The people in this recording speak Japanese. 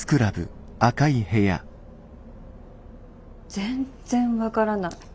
全然分からない。